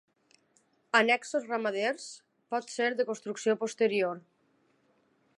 Annexos ramaders, potser de construcció posterior.